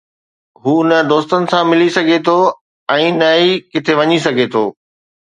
هو نه دوستن سان ملي سگهي ٿو ۽ نه ئي ڪٿي وڃي سگهي ٿو